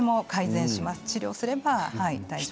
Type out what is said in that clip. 治療すれば大丈夫です。